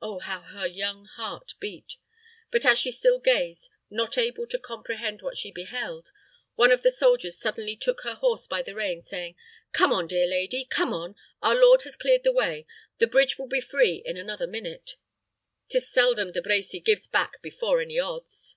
Oh, how her young heart beat! But as she still gazed, not able to comprehend what she beheld, one of the soldiers suddenly took her horse by the rein, saying, "Come on, dear lady come on. Our lord has cleared the way. The bridge will be free in another minute. 'Tis seldom De Brecy gives back before any odds."